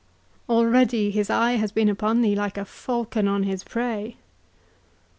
—Already his eye has been upon thee like a falcon on his prey."